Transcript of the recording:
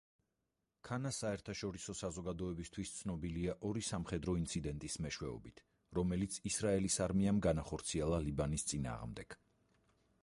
ქანა საერთაშორისო საზოგადოებისათვის ცნობილია ორი სამხედრო ინციდენტის მეშვეობით, რომელიც ისრაელის არმიამ განახორციელა ლიბანის წინააღმდეგ.